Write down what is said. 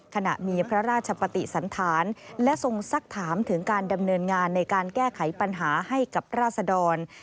ขณะมีพระราชปฏิสันธารและทรงสักถามถึงการดำเนินงานในการแก้ไขปัญหาให้กับราศดร